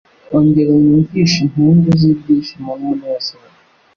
Ongera unyumvishe impundu z’ibyishimo n’umunezero